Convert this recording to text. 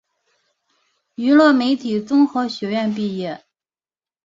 娱乐媒体综合学院毕业。